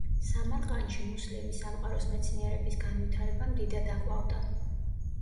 სამარყანდში, მუსლიმი სამყაროს მეცნიერების განვითარებამ, დიდად აყვავდა.